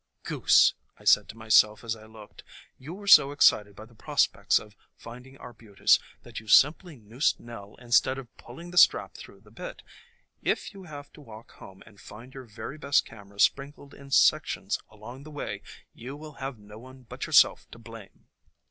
"Goose," I said to myself as I looked, "you were so excited by the prospects of finding Arbutus that you simply noosed Nell instead of pulling the strap through the bit. If you have to walk home and find your very best camera sprinkled in sections along the way you will have no one but yourself to blame!"